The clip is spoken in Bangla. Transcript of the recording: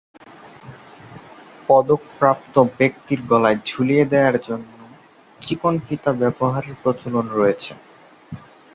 পদকপ্রাপ্ত ব্যক্তির গলায় ঝুলিয়ে দেয়ার জন্য চিকন ফিতা ব্যবহারের প্রচলন রয়েছে।